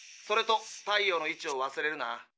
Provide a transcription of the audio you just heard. それと太陽の位置を忘れるな。